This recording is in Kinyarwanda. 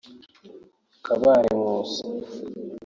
Kabare Nkusi